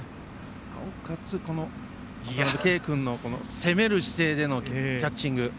なおかつ、渡辺憩君の攻める姿勢のキャッチング。